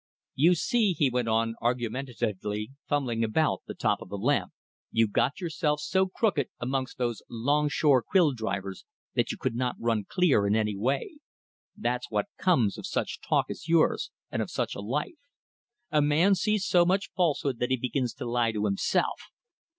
"You see," he went on, argumentatively, fumbling about the top of the lamp, "you got yourself so crooked amongst those 'longshore quill drivers that you could not run clear in any way. That's what comes of such talk as yours, and of such a life. A man sees so much falsehood that he begins to lie to himself.